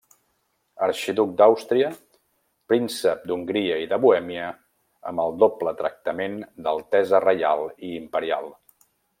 Arxiduc d'Àustria, príncep d'Hongria i de Bohèmia amb el doble tractament d'altesa reial i imperial.